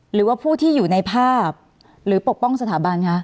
หรือว่าผู้ที่อยู่ในภาพหรือปกป้องสถาบันคะ